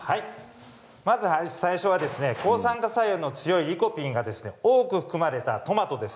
最初は抗酸化作用の強いリコピンが多く含まれたトマトです。